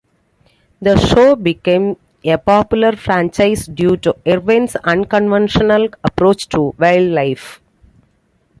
The show became a popular franchise due to Irwin's unconventional approach to wildlife.